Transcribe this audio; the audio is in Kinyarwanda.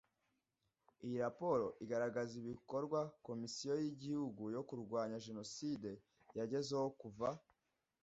Iyi raporo igaragaza ibikorwa Komisiyo y Igihugu yo Kurwanya Jenoside yagezeho kuva